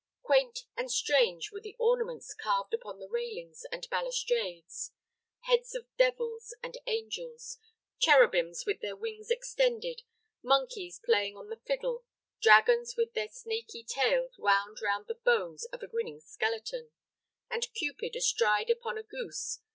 Quaint and strange were the ornaments carved upon the railings and balustrades: heads of devils and angels, cherubims with their wings extended, monkeys playing on the fiddle, dragons with their snaky tails wound round the bones of a grinning skeleton, and Cupid astride upon a goose.